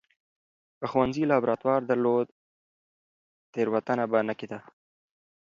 که ښوونځي لابراتوار درلود، تېروتنه به نه کېده.